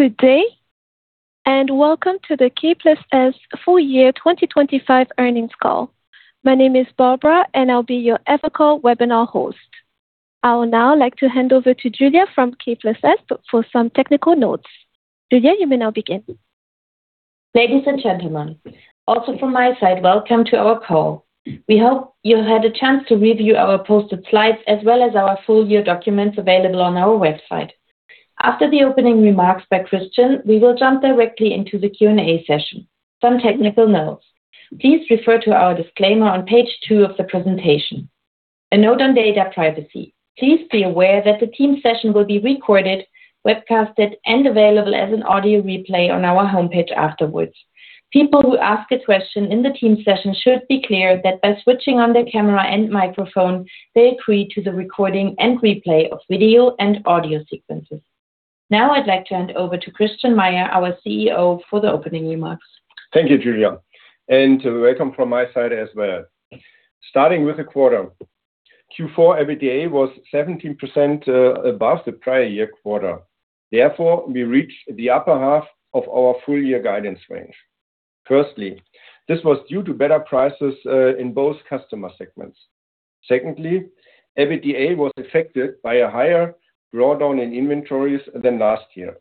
Good day, and welcome to the K+S full year 2025 earnings call. My name is Barbara, and I'll be your Evercall webinar host. I would now like to hand over to Julia from K+S for some technical notes. Julia, you may now begin. Ladies and gentlemen, also from my side, welcome to our call. We hope you had a chance to review our posted slides as well as our full year documents available on our website. After the opening remarks by Christian we will jump directly into the Q&A session. Some technical notes. Please refer to our disclaimer on page two of the presentation. A note on data privacy. Please be aware that the team session will be recorded, webcasted, and available as an audio replay on our homepage afterwards. People who ask a question in the team session should be clear that by switching on their camera and microphone, they agree to the recording and replay of video and audio sequences. Now I'd like to hand over to Christian H. Meyer, our CEO, for the opening remarks. Thank you, Julia, and welcome from my side as well. Starting with the quarter. Q4 EBITDA was 17% above the prior year quarter. Therefore, we reached the upper half of our full year guidance range. Firstly, this was due to better prices in both customer segments. Secondly, EBITDA was affected by a higher drawdown in inventories than last year.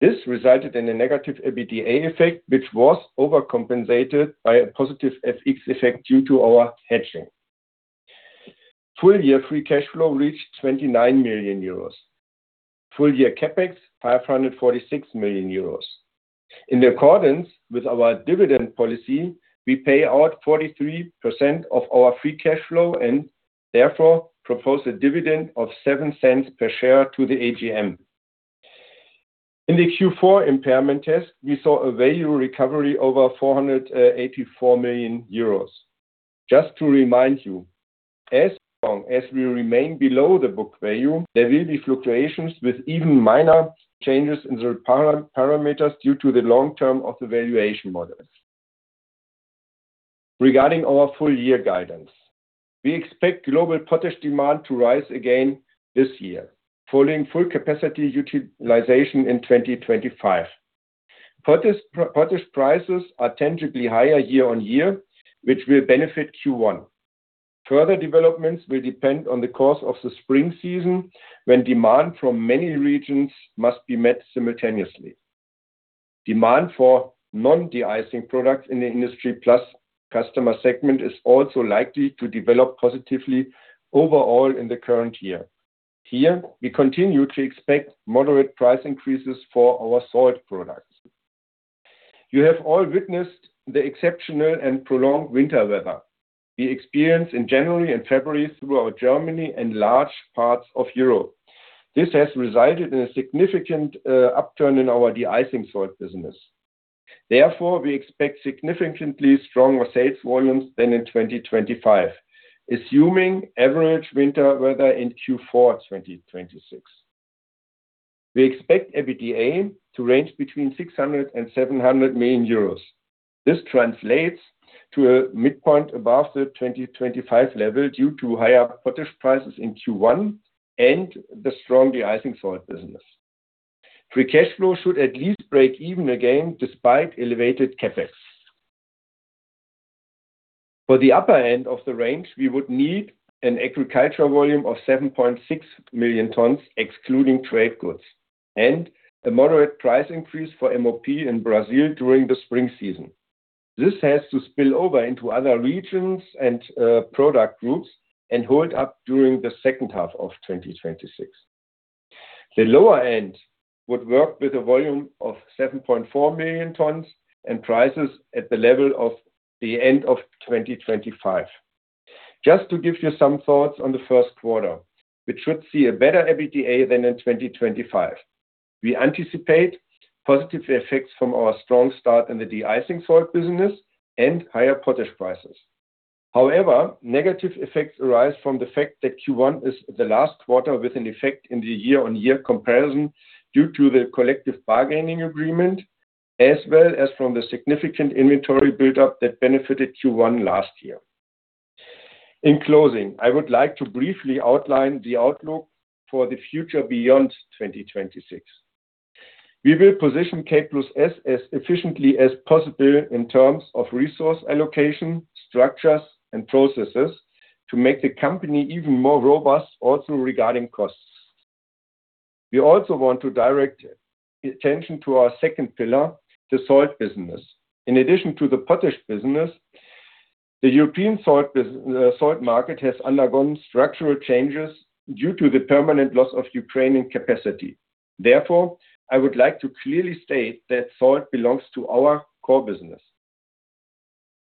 This resulted in a negative EBITDA effect, which was overcompensated by a positive FX effect due to our hedging. Full year free cash flow reached 29 million euros. Full year CapEx, 546 million euros. In accordance with our dividend policy, we pay out 43% of our free cash flow and therefore propose a dividend of 0.07 per share to the AGM. In the Q4 impairment test, we saw a value recovery over 484 million euros. Just to remind you, as long as we remain below the book value there will be fluctuations with even minor changes in the parameters due to the long term of the valuation models. Regarding our full year guidance, we expect global potash demand to rise again this year, following full capacity utilization in 2025. Potash prices are tangibly higher year-on-year, which will benefit Q1. Further developments will depend on the course of the spring season, when demand from many regions must be met simultaneously. Demand for non-de-icing products in the Industry+ customer segment is also likely to develop positively overall in the current year. Here we continue to expect moderate price increases for our salt products. You have all witnessed the exceptional and prolonged winter weather we experienced in January and February throughout Germany and large parts of Europe. This has resulted in a significant upturn in our de-icing salt business. Therefore, we expect significantly stronger sales volumes than in 2025, assuming average winter weather in Q4 2026. We expect EBITDA to range between 600 million euros and 700 million euros. This translates to a midpoint above the 2025 level due to higher potash prices in Q1 and the strong de-icing salt business. Free cash flow should at least break even again despite elevated CapEx. For the upper end of the range, we would need an agricultural volume of 7.6 million tons, excluding trade goods, and a moderate price increase for MOP in Brazil during the spring season. This has to spill over into other regions and product groups and hold up during the second half of 2026. The lower end would work with a volume of 7.4 million tons and prices at the level of the end of 2025. Just to give you some thoughts on the first quarter, which should see a better EBITDA than in 2025. We anticipate positive effects from our strong start in the de-icing salt business and higher potash prices. However, negative effects arise from the fact that Q1 is the last quarter with an effect in the year-on-year comparison due to the collective bargaining agreement, as well as from the significant inventory buildup that benefited Q1 last year. In closing, I would like to briefly outline the outlook for the future beyond 2026. We will position K+S as efficiently as possible in terms of resource allocation, structures and processes to make the company even more robust also regarding costs. We also want to direct attention to our second pillar, the salt business. In addition to the potash business, the European salt market has undergone structural changes due to the permanent loss of Ukrainian capacity. Therefore, I would like to clearly state that salt belongs to our core business.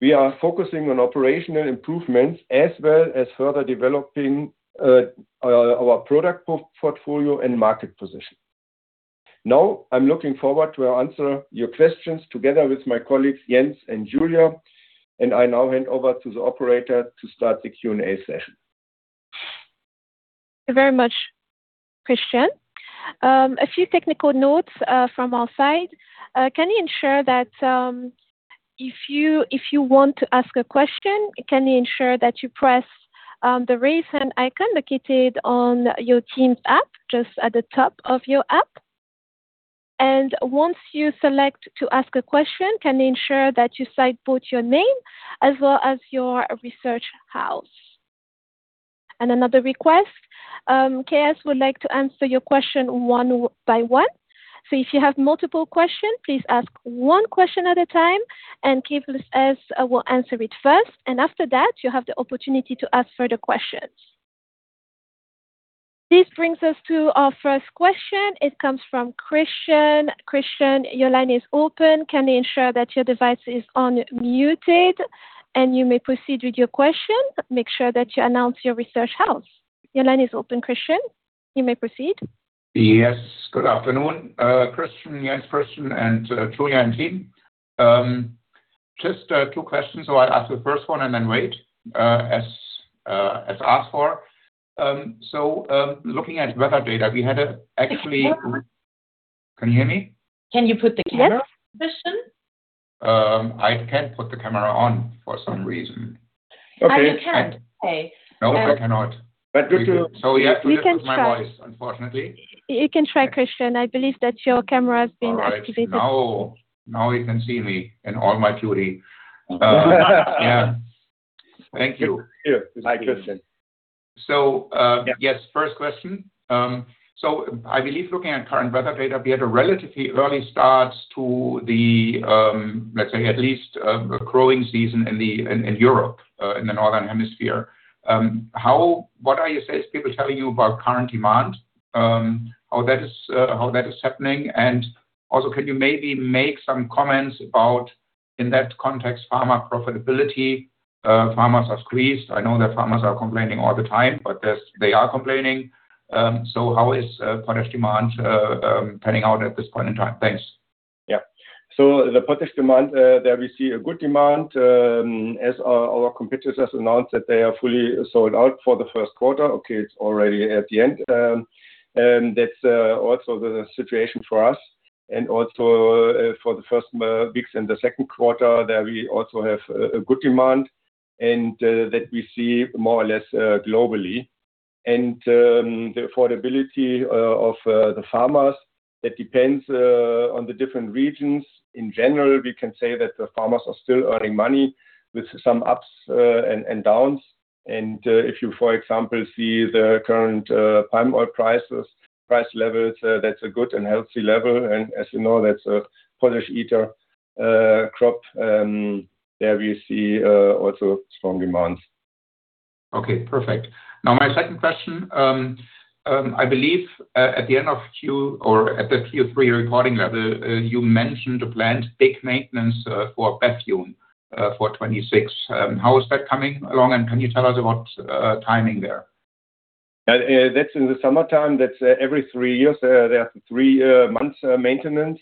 We are focusing on operational improvements as well as further developing our product portfolio and market position. Now I'm looking forward to answer your questions together with my colleagues, Jens and Julia, and I now hand over to the operator to start the Q&A session. Thank you very much, Christian. A few technical notes from our side. Can you ensure that if you want to ask a question, you press the Raise Hand icon located on your Teams app just at the top of your app. Once you select to ask a question, can you ensure that you cite both your name as well as your research house. Another request, K+S would like to answer your question one by one. If you have multiple questions, please ask one question at a time, and K+S will answer it first, and after that, you have the opportunity to ask further questions. This brings us to our first question. It comes from Christian. Christian, your line is open. Can you ensure that your device is unmuted, and you may proceed with your question. Make sure that you announce your research house. Your line is open, Christian. You may proceed. Yes, good afternoon. Christian, Jens, Christian and Julia and team. Just two questions. I'll ask the first one and then wait, as asked for. Looking at weather data, we had actually. Can you hear me? Can you put the camera, Christian? I can't put the camera on for some reason. Oh, you can. No, I cannot. You can try. You have to live with my voice, unfortunately. You can try, Christian. I believe that your camera has been activated. All right. Now you can see me in all my beauty. Yeah. Thank you. Here is my question. Yes, first question. I believe looking at current weather data, we had a relatively early start to the, let's say, at least, growing season in the-- in Europe, in the Northern Hemisphere. What are your sales people telling you about current demand, how that is happening? Can you maybe make some comments about, in that context, farmer profitability? Farmers are squeezed. I know that farmers are complaining all the time, but they are complaining. How is potash demand panning out at this point in time? Thanks. Yeah. The potash demand, there we see a good demand. As our competitors announced that they are fully sold out for the first quarter. Okay, it's already at the end. That's also the situation for us and also for the first weeks in the second quarter that we also have a good demand and that we see more or less globally. The affordability of the farmers, that depends on the different regions. In general, we can say that the farmers are still earning money with some ups and downs. If you, for example, see the current palm oil prices, price levels, that's a good and healthy level. As you know, that's a potash eater crop, there we see also strong demand. Okay, perfect. Now, my second question, I believe, at the end of the Q3 earnings call, you mentioned a planned big maintenance for Bethune for 2026. How is that coming along, and can you tell us about timing there? That's in the summertime. That's every three years. There are three months maintenance,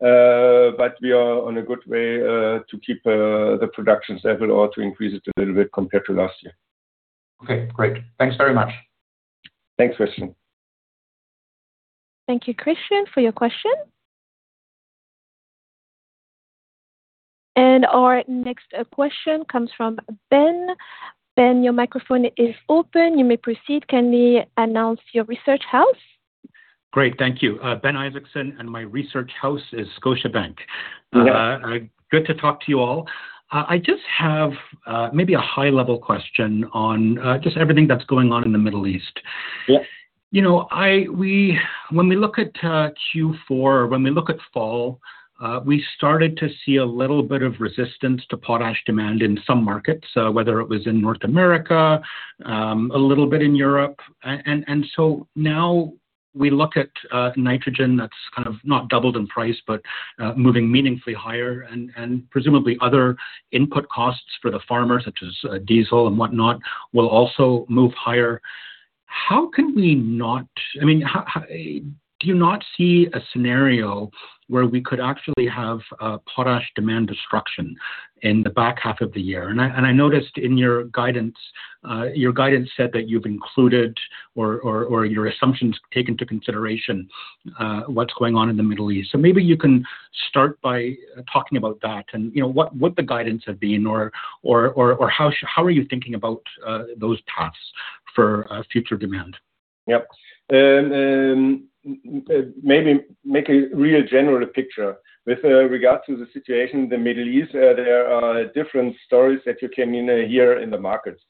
but we are on a good way to keep the production stable or to increase it a little bit compared to last year. Okay, great. Thanks very much. Thanks, Christian. Thank you, Christian, for your question. Our next question comes from Ben. Ben, your microphone is open. You may proceed. Can you announce your research house? Great. Thank you. Ben Isaacson, and my research house is Scotiabank. Yeah. Good to talk to you all. I just have maybe a high-level question on just everything that's going on in the Middle East. Yeah. You know, we, when we look at Q4, when we look at fall, we started to see a little bit of resistance to potash demand in some markets, whether it was in North America, a little bit in Europe. Now we look at nitrogen that's kind of not doubled in price, but moving meaningfully higher and presumably other input costs for the farmer, such as diesel and whatnot, will also move higher. Do you not see a scenario where we could actually have a potash demand destruction in the back half of the year. I noticed in your guidance, your guidance said that you've included or your assumptions take into consideration what's going on in the Middle East. Maybe you can start by talking about that and, you know, what the guidance have been or how are you thinking about those paths for future demand? Yep. Maybe make a real general picture with regards to the situation in the Middle East. There are different stories that you can hear in the markets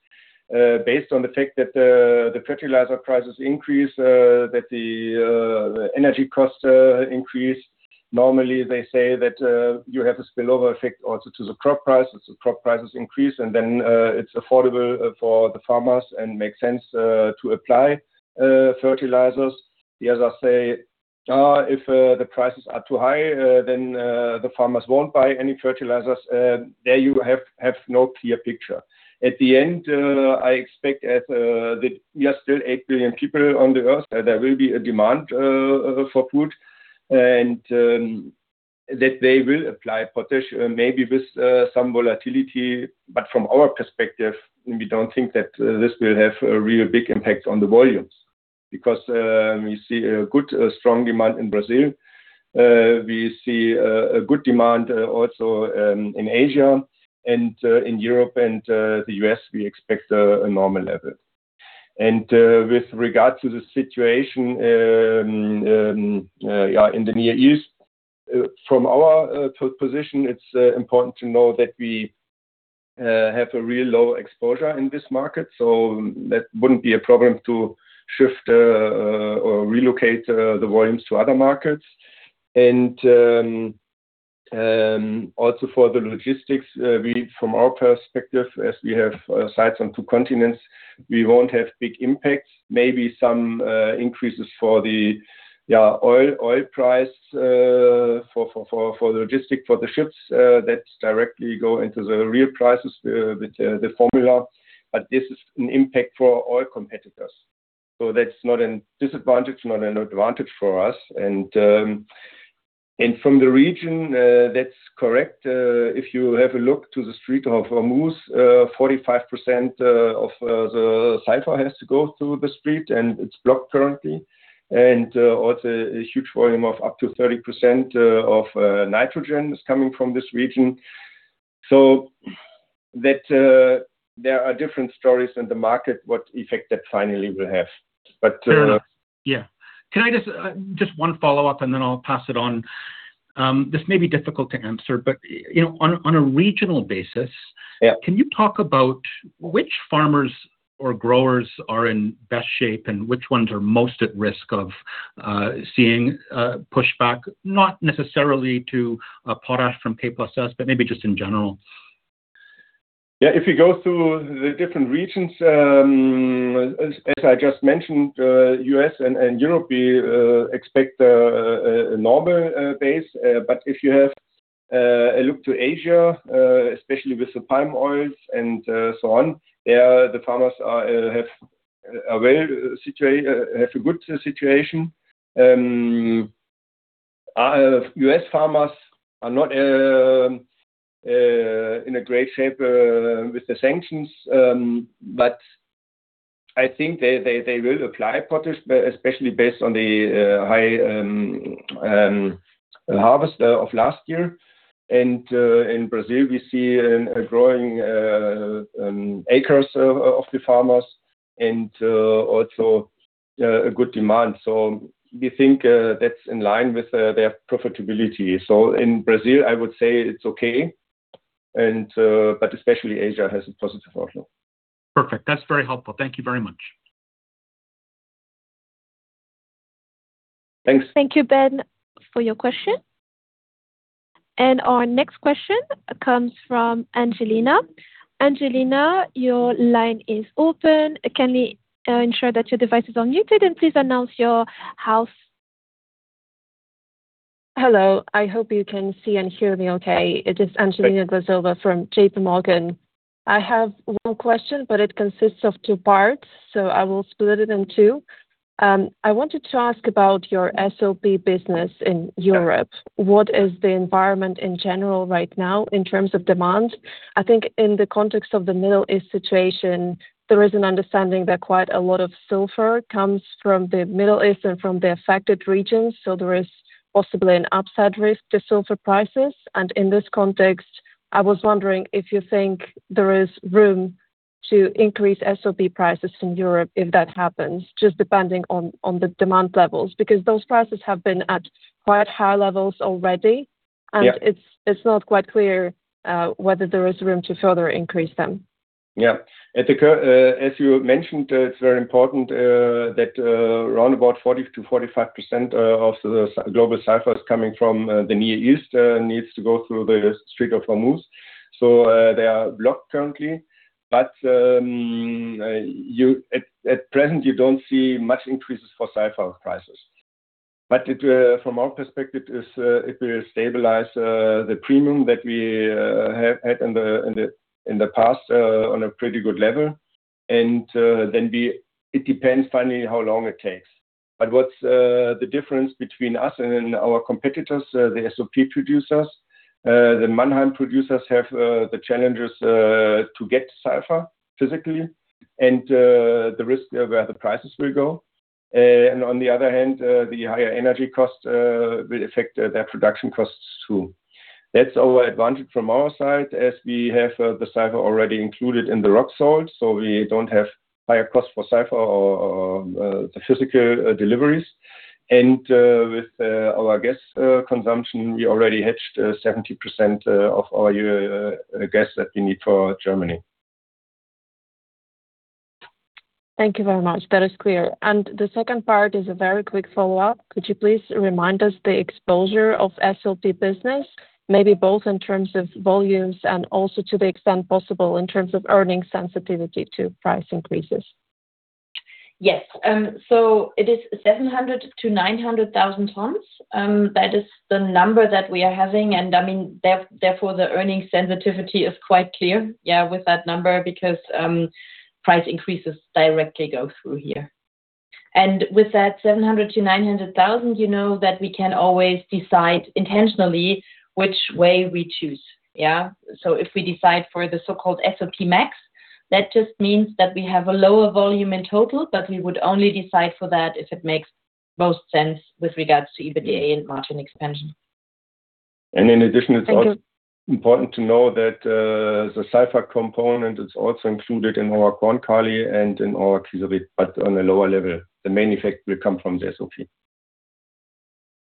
based on the fact that the fertilizer prices increase that the energy costs increase. Normally, they say that you have a spillover effect also to the crop prices. The crop prices increase, and then it's affordable for the farmers and makes sense to apply fertilizers. The others say if the prices are too high then the farmers won't buy any fertilizers. There you have no clear picture. At the end, I expect that we are still 8 billion people on the Earth, there will be a demand for food and that they will apply potash maybe with some volatility. From our perspective, we don't think that this will have a real big impact on the volumes. We see a good, strong demand in Brazil. We see a good demand also in Asia and in Europe and the U.S., we expect a normal level. With regard to the situation in the Near East, from our position, it's important to know that we have a real low exposure in this market, so that wouldn't be a problem to shift or relocate the volumes to other markets. Also for the logistics, we from our perspective, as we have sites on two continents, we won't have big impacts. Maybe some increases for the oil price for the logistics for the ships that directly go into the real prices with the formula, but this is an impact for all competitors. That's not a disadvantage, not an advantage for us. And from the region, that's correct. If you have a look to the Strait of Hormuz, 45% of the sulfur has to go through the strait, and it's blocked currently. Also a huge volume of up to 30% of nitrogen is coming from this region. That there are different stories in the market, what effect that finally will have. But, uh- Sure. Yeah. Can I just one follow-up, and then I'll pass it on. This may be difficult to answer, but, you know, on a regional basis. Yeah. Can you talk about which farmers or growers are in best shape and which ones are most at risk of seeing pushback, not necessarily to potash from K+S, but maybe just in general? Yeah. If you go through the different regions, as I just mentioned, U.S. and Europe, we expect a normal basis. But if you have a look to Asia, especially with the palm oils and so on, yeah, the farmers have a good situation. U.S. farmers are not in a great shape with the sanctions, but I think they will apply potash, especially based on the high harvest of last year. In Brazil, we see a growing acres of the farmers and also a good demand. We think that's in line with their profitability.In Brazil, I would say it's okay, and, but especially Asia has a positive outlook. Perfect. That's very helpful. Thank you very much. Thanks. Thank you, Ben, for your question. Our next question comes from Angelina. Angelina, your line is open. Can we ensure that your devices are muted, and please announce your name. Hello. I hope you can see and hear me okay. It is Angelina Glazova from JPMorgan. I have one question, but it consists of two parts, so I will split it in two. I wanted to ask about your SOP business in Europe. What is the environment in general right now in terms of demand? I think in the context of the Middle East situation, there is an understanding that quite a lot of sulfur comes from the Middle East and from the affected regions, so there is possibly an upside risk to sulfur prices. In this context, I was wondering if you think there is room to increase SOP prices in Europe if that happens, just depending on the demand levels, because those prices have been at quite high levels already. Yeah. It's not quite clear whether there is room to further increase them. Yeah. At the current, as you mentioned, it's very important that around 40%-45% of the global sulfur is coming from the Near East needs to go through the Strait of Hormuz. They are blocked currently, but you... At present, you don't see much increases for sulfur prices. It from our perspective is if we stabilize the premium that we have had in the past on a pretty good level, and then we... It depends finally how long it takes. What's the difference between us and our competitors, the SOP producers, the Mannheim producers have the challenges to get sulfur physically and the risk of where the prices will go. On the other hand, the higher energy costs will affect their production costs too. That's our advantage from our side as we have the sulfur already included in the rock salt, so we don't have higher cost for sulfur or the physical deliveries. With our gas consumption, we already hedged 70% of our year gas that we need for Germany. Thank you very much. That is clear. The second part is a very quick follow-up. Could you please remind us of the exposure of the SOP business, maybe both in terms of volumes and also to the extent possible in terms of earnings sensitivity to price increases? Yes. It is 700,000-900,000 tons. That is the number that we are having, and I mean, therefore, the earnings sensitivity is quite clear, yeah, with that number because price increases directly go through here. With that 700,000-900,000 you know that we can always decide intentionally which way we choose. Yeah. If we decide for the so-called SOP Max, that just means that we have a lower volume in total, but we would only decide for that if it makes most sense with regards to EBITDA and margin expansion. In addition, it's also important to know that the sulfur component is also included in our Korn-Kali and in our kieserite but on a lower level, the main effect will come from the SOP.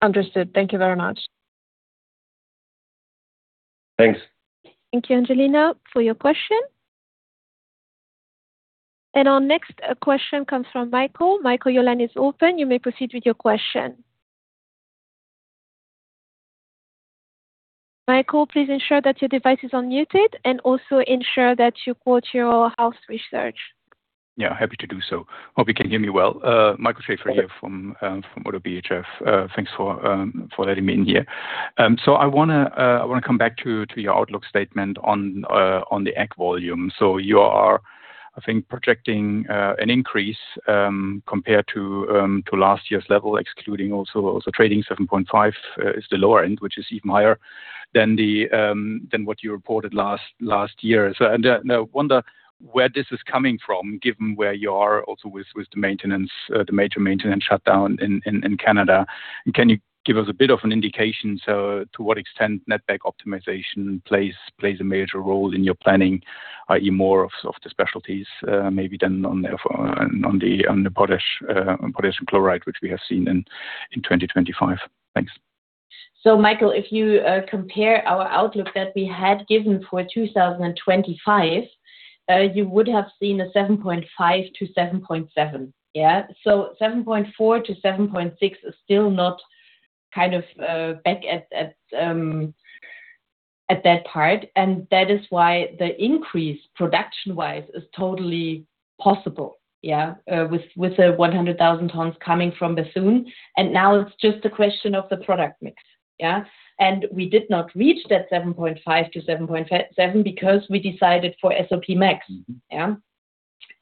Understood. Thank you very much. Thanks. Thank you, Angelina, for your question. Our next question comes from Michael. Michael, your line is open. You may proceed with your question. Michael, please ensure that your device is unmuted, and also ensure that you quote your house research. Yeah, happy to do so. Hope you can hear me well. Michael Schaefer here from ODDO BHF. Thanks for letting me in here. I want to come back to your outlook statement on the AG volume. You are, I think, projecting an increase compared to last year's level, excluding also the trading 7.5, is the lower end, which is even higher than what you reported last year. I do wonder where this is coming from, given where you are also with the maintenance, the major maintenance shutdown in Canada. Can you give us a bit of an indication as to what extent netback optimization plays a major role in your planning, i.e. more of the specialties, maybe than on the potash, on potassium chloride, which we have seen in 2025. Thanks. Michael, if you compare our outlook that we had given for 2025, you would have seen 7.5-7.7. 7.4-7.6 is still not kind of back at that part. That is why the increase production-wise is totally possible, with the 100,000 tons coming from Bethune. Now it's just a question of the product mix. We did not reach that 7.5-7.7 because we decided for SOP max. Now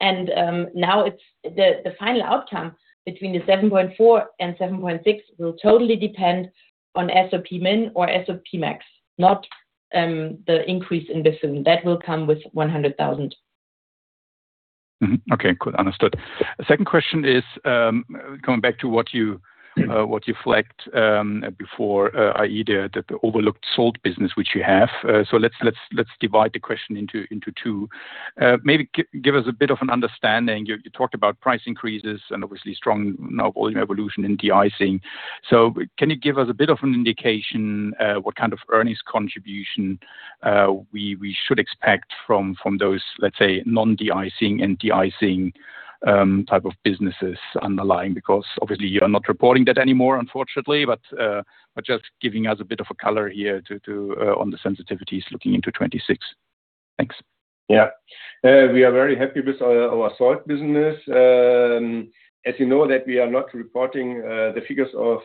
it's the final outcome between 7.4 and 7.6 will totally depend on SOP min or SOP max, not the increase in Bethune. That will come with 100,000. Mm-hmm. Okay, cool. Understood. Second question is coming back to what you flagged before, i.e., the overlooked salt business which you have. So let's divide the question into two. Maybe give us a bit of an understanding. You talked about price increases and obviously strong volume evolution in de-icing. Can you give us a bit of an indication what kind of earnings contribution we should expect from those, let's say, non-de-icing and de-icing type of businesses underlying? Because obviously, you are not reporting that anymore, unfortunately. Just giving us a bit of a color here to on the sensitivities looking into 2026. Thanks. Yeah, we are very happy with our salt business. As you know that we are not reporting the figures of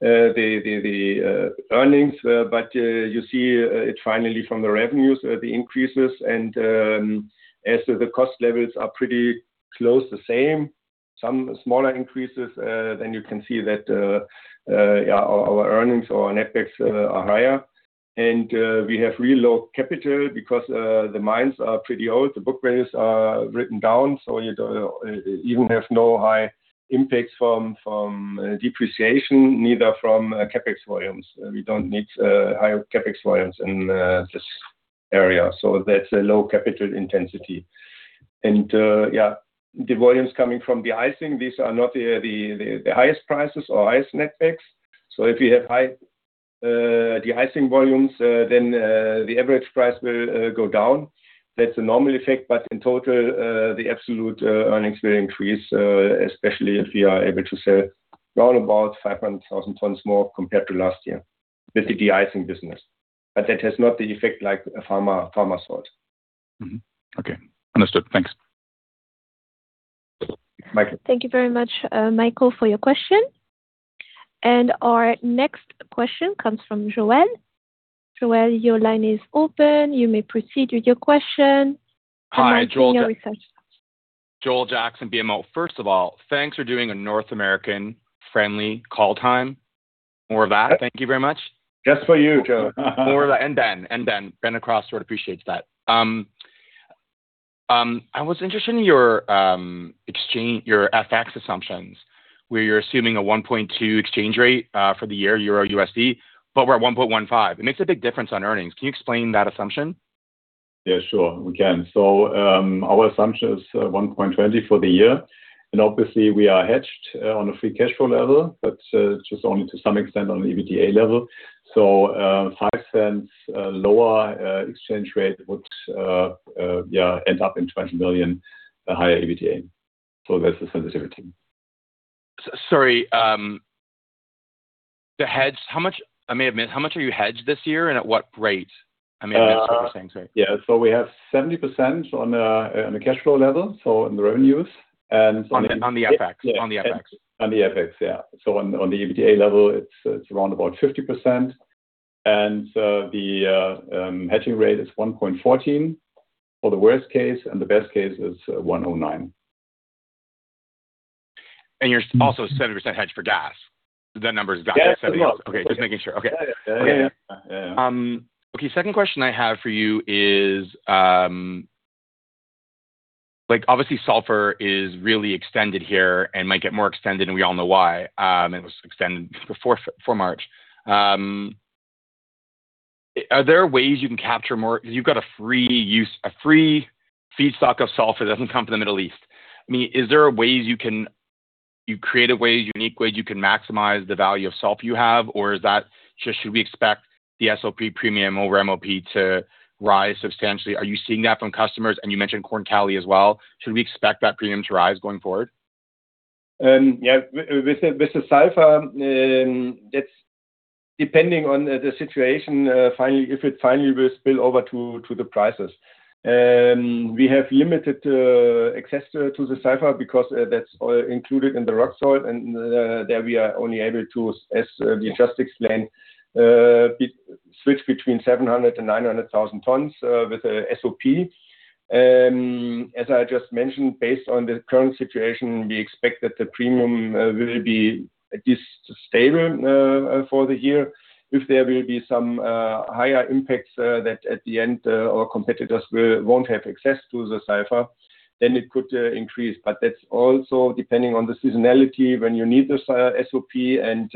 the earnings. But you see it finally from the revenues, the increases and the cost levels are pretty close to same. Some smaller increases, then you can see that our earnings or netbacks are higher. We have real low capital because the mines are pretty old. The book values are written down, so you don't even have no high impacts from depreciation, neither from CapEx volumes. We don't need higher CapEx volumes in this area. That's a low capital intensity. The volumes coming from de-icing, these are not the highest prices or highest netbacks. If you have high de-icing volumes, then the average price will go down. That's a normal effect. In total, the absolute earnings will increase, especially if we are able to sell about 500,000 tons more compared to last year with the de-icing business. That has not the effect like a pharma salt. Okay. Understood. Thanks. Michael. Thank you very much, Michael, for your question. Our next question comes from Joel. Joel, your line is open. You may proceed with your question. Hi, Joel. Once again, your research. Joel Jackson, BMO. First of all, thanks for doing a North American friendly call time. More of that. Thank you very much. Just for you, Joel. More of that. Ben across the road appreciates that. I was interested in your FX assumptions, where you're assuming a 1.2 exchange rate for the year Euro USD, but we're at 1.15. It makes a big difference on earnings. Can you explain that assumption? Yeah, sure. We can. Our assumption is 1.20 for the year, and obviously we are hedged on a free cash flow level, but just only to some extent on an EBITDA level. Five cents lower exchange rate would yeah end up in 20 million higher EBITDA. That's the sensitivity. Sorry. I may have missed how much you are hedged this year and at what rate? I may have missed what you're saying, sorry. Yeah. We have 70% on a cash flow level, on the revenues. On the FX. On the FX. On the FX, yeah. On the EBITDA level, it's around about 50%. The hedging rate is 1.14 for the worst case, and the best case is 1.09. You're also 70% hedged for gas. The numbers got to 70%. Yeah. Okay. Just making sure. Okay. Yeah, yeah. Okay, second question I have for you is, like obviously sulfur is really extended here and might get more extended, and we all know why. It was extended before, for March. Are there ways you can capture more? 'Cause you've got a free feedstock of sulfur that doesn't come from the Middle East. I mean, are there creative ways, unique ways you can maximize the value of sulfur you have? Or should we expect the SOP premium over MOP to rise substantially? Are you seeing that from customers? You mentioned Korn-Kali as well. Should we expect that premium to rise going forward? With the sulfur, that's depending on the situation, finally, if it finally will spill over to the prices. We have limited access to the sulfur because that's all included in the rock salt and there we are only able to, as we just explained, switch between 700,000-900,000 tons with the SOP. As I just mentioned, based on the current situation, we expect that the premium will be at least stable for the year. If there will be some higher impacts that at the end our competitors won't have access to the sulfur, then it could increase. That's also depending on the seasonality when you need the SOP and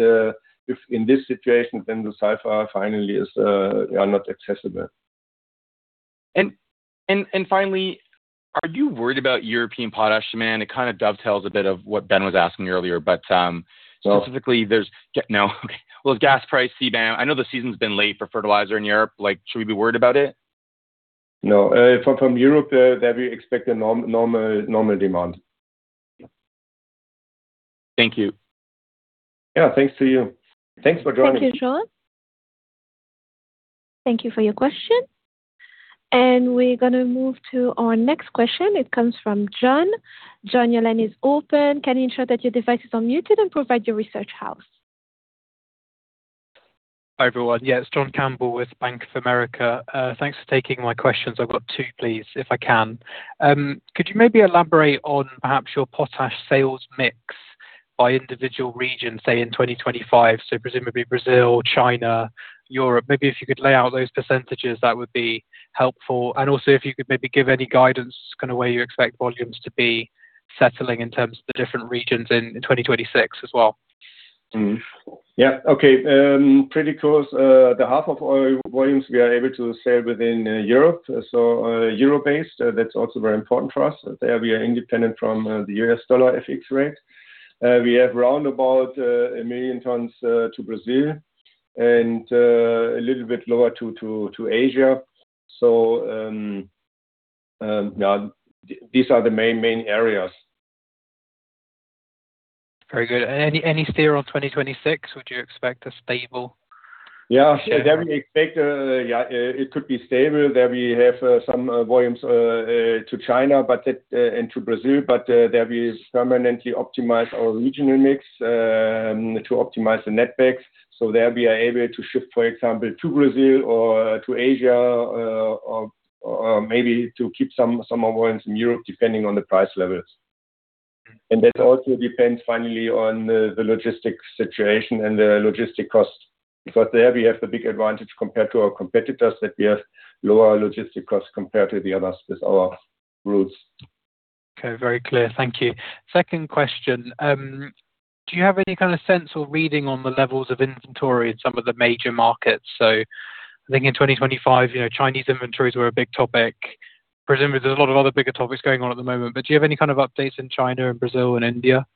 if in this situation then the sulfur financially is not accessible. Finally, are you worried about European potash demand? It kind of dovetails a bit of what Ben was asking earlier. No. Well, as gas prices rebound, I know the season's been late for fertilizer in Europe, like should we be worried about it? No. From Europe, that we expect a normal demand. Thank you. Yeah, thanks to you. Thanks for joining. Thank you, John. Thank you for your question. We're gonna move to our next question. It comes from John. John, your line is open. Can you ensure that your device is unmuted and provide your research house? Hi, everyone. Yeah, it's John Campbell with Bank of America. Thanks for taking my questions. I've got two please, if I can. Could you maybe elaborate on perhaps your potash sales mix by individual region, say in 2025, so presumably Brazil, China, Europe. Maybe if you could lay out those percentages, that would be helpful. Also if you could maybe give any guidance kind of where you expect volumes to be settling in terms of the different regions in 2026 as well. Pretty close. Half of our volumes we are able to sell within Europe. Europe-based, that's also very important for us. There we are independent from the U.S. dollar FX rate. We have around 1 million tons to Brazil and a little bit lower to Asia. These are the main areas. Very good. Any steer on 2026? Would you expect a stable share? Yeah. There we expect yeah, it could be stable. There we have some volumes to China, but it and to Brazil. There we permanently optimize our regional mix to optimize the netbacks. There we are able to shift, for example, to Brazil or to Asia, or maybe to keep some more volumes in Europe, depending on the price levels. That also depends finally on the logistics situation and the logistic cost, because there we have the big advantage compared to our competitors, that we have lower logistic costs compared to the others with our routes. Okay. Very clear. Thank you. Second question. Do you have any kind of sense or reading on the levels of inventory in some of the major markets? I think in 2025, you know, Chinese inventories were a big topic. Presumably there's a lot of other bigger topics going on at the moment, but do you have any kind of updates in China and Brazil and India?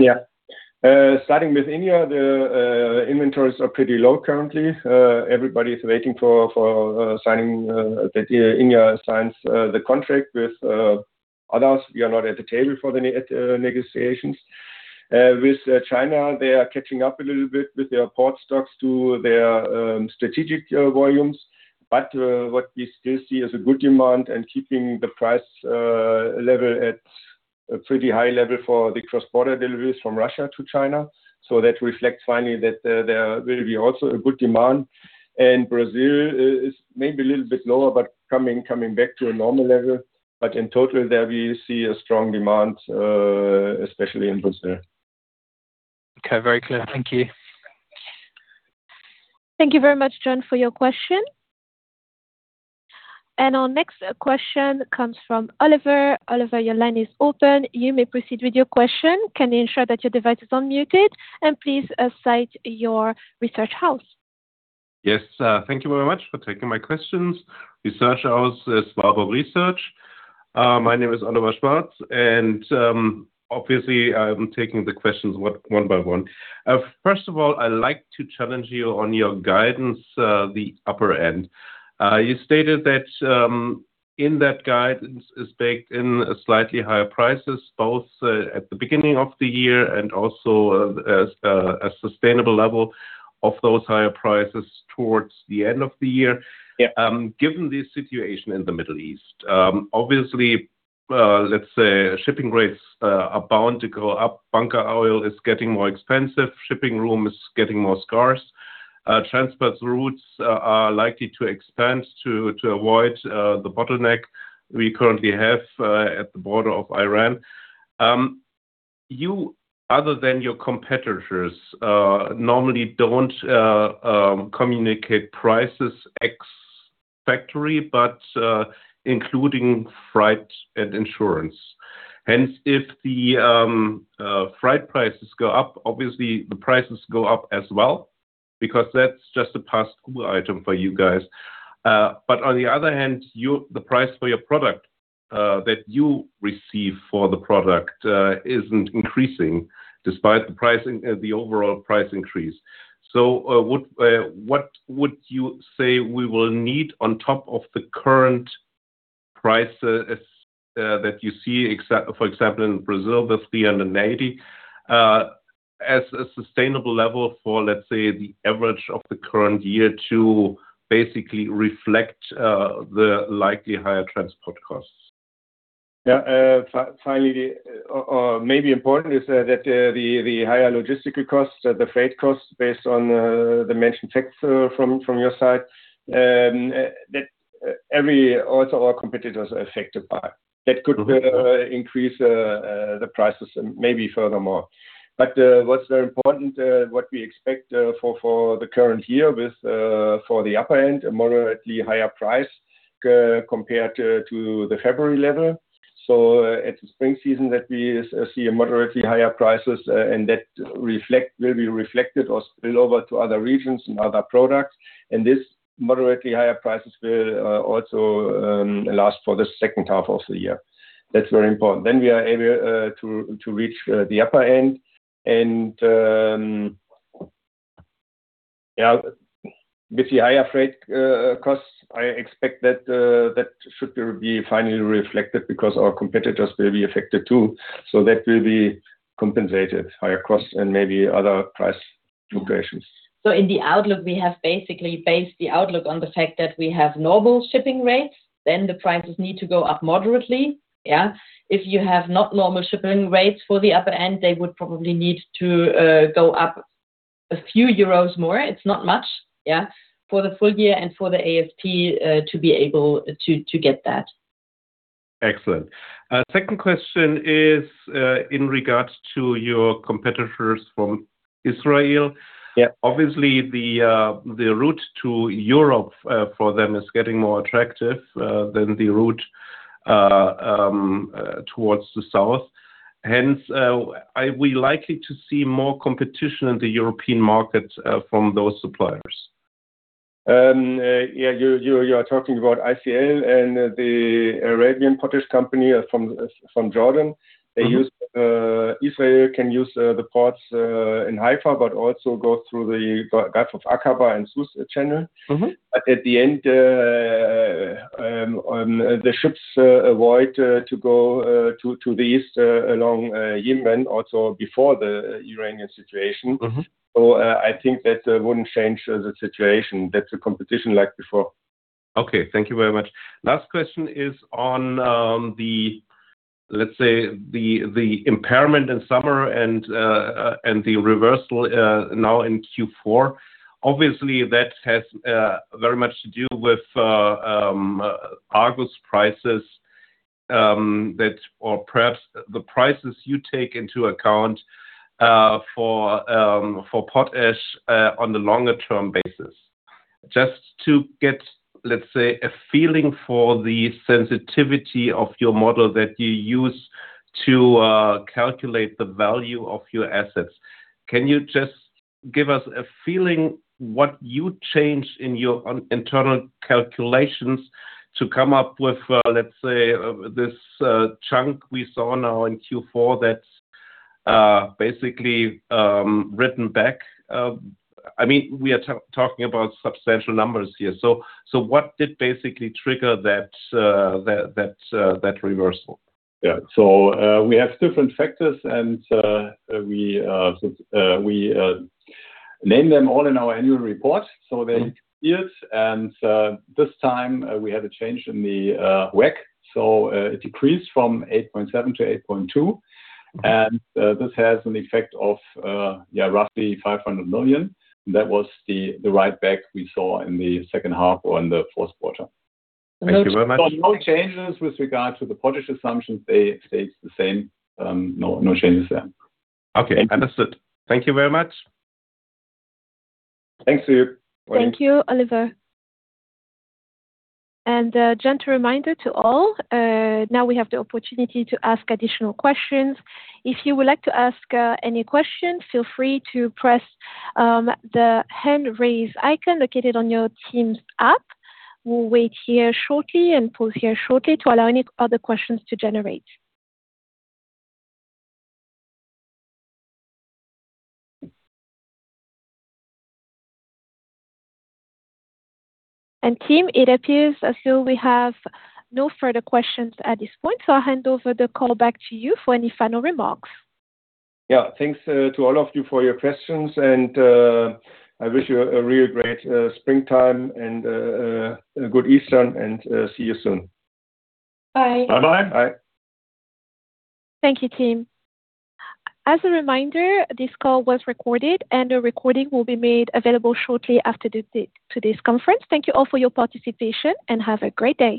Yeah. Starting with India, the inventories are pretty low currently. Everybody is waiting for that India signs the contract with others. We are not at the table for the negotiations. With China, they are catching up a little bit with their port stocks to their strategic volumes. What we still see is a good demand and keeping the price level at a pretty high level for the cross-border deliveries from Russia to China. That reflects finally that there will be also a good demand. Brazil is maybe a little bit lower, but coming back to a normal level. In total there we see a strong demand, especially in Brazil. Okay. Very clear. Thank you. Thank you very much, John, for your question. Our next question comes from Oliver. Oliver, your line is open. You may proceed with your question. Can you ensure that your device is unmuted, and please, cite your research house. Yes. Thank you very much for taking my questions. Research house is Warburg Research. My name is Oliver Schwarz, and obviously, I'm taking the questions one by one. First of all, I'd like to challenge you on your guidance, the upper end. You stated that in that guidance is baked in slightly higher prices, both at the beginning of the year and also as a sustainable level of those higher prices towards the end of the year. Yeah. Given the situation in the Middle East, obviously, let's say shipping rates are bound to go up, bunker oil is getting more expensive, shipping room is getting more scarce, transport routes are likely to expand to avoid the bottleneck we currently have at the border of Iran. You, other than your competitors, normally don't communicate prices ex-factory, but including freight and insurance. Hence, if the freight prices go up, obviously the prices go up as well because that's just a pass-through item for you guys. But on the other hand, the price for your product that you receive for the product isn't increasing despite the pricing, the overall price increase. What would you say we will need on top of the current price, as that you see, for example, in Brazil with the around 90, as a sustainable level for, let's say, the average of the current year to basically reflect the likely higher transport costs? Finally, or maybe important is that the higher logistical costs, the freight costs based on the mentioned checks from your side, that also our competitors are affected by. That could increase the prices and maybe furthermore. What's very important, what we expect for the current year for the upper end, a moderately higher price compared to the February level. At spring season that we see moderately higher prices, and that will be reflected or spill over to other regions and other products. This moderately higher prices will also last for the second half of the year. That's very important. We are able to reach the upper end and with the higher freight costs, I expect that that should be finally reflected because our competitors will be affected too. That will be compensated higher costs and maybe other price fluctuations. In the outlook, we have basically based the outlook on the fact that we have normal shipping rates, then the prices need to go up moderately, yeah. If you have not normal shipping rates for the upper end, they would probably need to go up a few euros more. It's not much, yeah, for the full year and for the AFT to be able to get that. Excellent. Second question is, in regards to your competitors from Israel. Yeah. Obviously the route to Europe for them is getting more attractive than the route towards the south. Hence, are we likely to see more competition in the European market from those suppliers? Yeah, you're talking about ICL and the Arab Potash Company from Jordan. Mm-hmm. Israel can use the ports in Haifa, but also go through the Gulf of Aqaba and Suez Canal. Mm-hmm. At the end, the ships avoid to go to the east along Yemen also before the Iranian situation. Mm-hmm. I think that wouldn't change the situation. That's a competition like before. Okay. Thank you very much. Last question is on the, let's say, the impairment in summer and the reversal now in Q4. Obviously, that has very much to do with August prices, that or perhaps the prices you take into account for potash on the longer term basis. Just to get, let's say, a feeling for the sensitivity of your model that you use to calculate the value of your assets, can you just give us a feeling what you changed in your internal calculations to come up with, let's say, this chunk we saw now in Q4 that's basically written back? I mean, we are talking about substantial numbers here. What did basically trigger that reversal? We have different factors, and we name them all in our annual report, so they see it. This time, we had a change in the WACC, so it decreased from 8.7 to 8.2. This has an effect of roughly 500 million. That was the write back we saw in the second half or in the fourth quarter. Thank you very much. No changes with regard to the potash assumptions. They stayed the same, no changes there. Okay. Understood. Thank you very much. Thanks to you. Thank you, Oliver. A gentle reminder to all, now we have the opportunity to ask additional questions. If you would like to ask any questions, feel free to press the hand raise icon located on your Teams app. We'll wait here shortly and pause here shortly to allow any other questions to generate. Christian, it appears as though we have no further questions at this point, so I'll hand over the call back to you for any final remarks. Yeah. Thanks to all of you for your questions, and I wish you a really great springtime and a good Easter, and see you soon. Bye. Bye-bye. Bye. Thank you, Christian. As a reminder, this call was recorded and a recording will be made available shortly after today to this conference. Thank you all for your participation, and have a great day.